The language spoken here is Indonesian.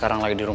kenapa ya bang